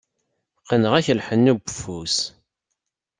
Qqneɣ-ak lḥenni n ufus.